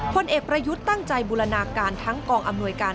พลเอกประยุทธ์ตั้งใจบูรณาการทั้งกองอำนวยการ